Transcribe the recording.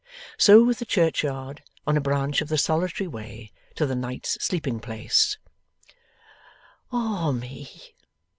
So with the churchyard on a branch of the solitary way to the night's sleeping place. 'Ah me!